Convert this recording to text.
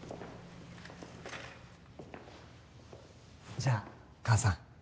じゃあ母さん。